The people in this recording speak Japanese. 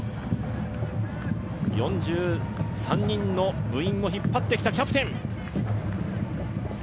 ４３人の部員を引っ張ってきたキャプテン。